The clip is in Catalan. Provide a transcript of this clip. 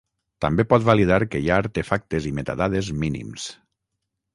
També pot validar que hi ha artefactes i metadades mínims.